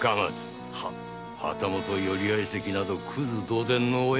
旗本寄合席などクズ同然。